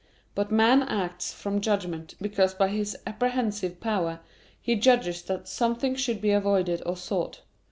But man acts from judgment, because by his apprehensive power he judges that something should be avoided or sought.